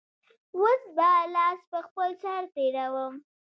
اوس به لاس په خپل سر تېروم.